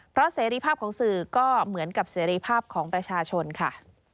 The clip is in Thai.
เพราะเสรีภาพของสื่อก็เหมือนกับเสรีภาพของประชาชนค่ะ